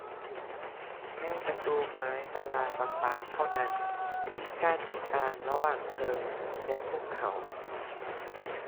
แค่ประตูไม้ตารางบาง ๆ เท่านั้น ที่กั้นกลางระหว่างเธอและพวกเขา